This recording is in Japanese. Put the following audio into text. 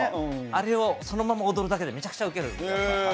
あれをそのまま踊るだけでめちゃくちゃ受けるんですよ